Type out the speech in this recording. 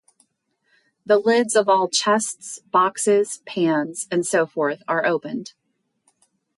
The lids of all chests, boxes, pans, and so forth are opened.